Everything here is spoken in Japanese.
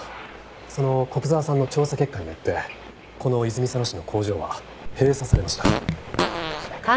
その古久沢さんの調査結果によってこの泉佐野市の工場は閉鎖されました。